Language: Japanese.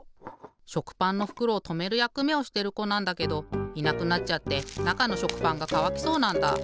しょくパンのふくろをとめるやくめをしてるこなんだけどいなくなっちゃってなかのしょくパンがかわきそうなんだ。